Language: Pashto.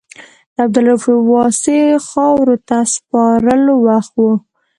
د عبدالرؤف واسعي خاورو ته سپارلو وخت و.